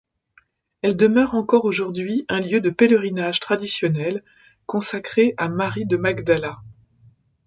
Elle demeure encore aujourd'hui un lieu de pèlerinage traditionnel consacré à Marie de Magdala.